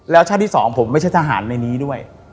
แล้วชาติที่๒ผมไม่ใช่ทหารในนี้ด้วย